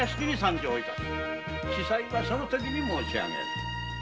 仔細はその時に申し上げる。